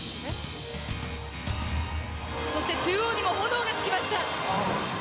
そして中央にも炎が付きました。